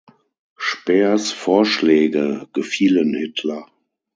Speers Vorschläge gefielen Hitler.